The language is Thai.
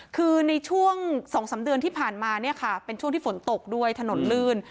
คือในช่วง๒๓เดือนที่ผ่านมาเนี่ยค่ะเป็นช่วงที่ฝนตกด้วยถนนลื่น